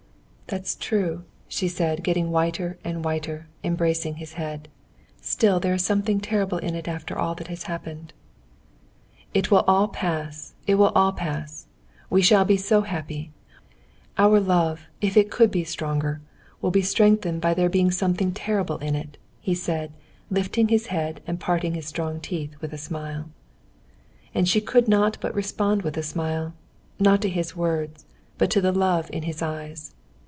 "That's true," she said, getting whiter and whiter, and embracing his head. "Still there is something terrible in it after all that has happened." "It will all pass, it will all pass; we shall be so happy. Our love, if it could be stronger, will be strengthened by there being something terrible in it," he said, lifting his head and parting his strong teeth in a smile. And she could not but respond with a smile—not to his words, but to the love in his eyes.